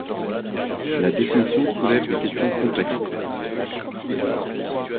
La définition soulève des questions complexes.